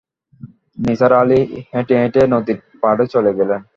নিসার আলি হেঁটে হেঁটে নদীর পাড়ে চলে গেলেন।